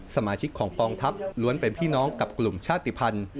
สมาชิกของกองทัพล้วนเป็นพี่น้องกับกลุ่มชาติภัณฑ์